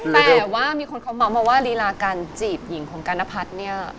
แต่ว่ามีคนเขาบอกว่ารีราการจีบหญิงของการณพัฒน์นี่